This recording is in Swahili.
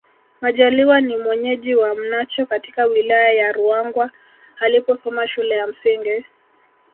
Majaliwa ni mwenyeji wa Mnacho katika Wilaya ya Ruangwa aliposoma shule ya msingi